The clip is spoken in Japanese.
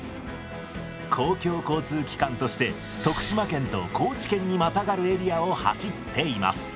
公共交通機関として徳島県と高知県にまたがるエリアを走っています。